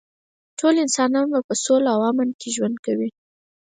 ټول انسانان به په سوله او امن کې ژوند کوي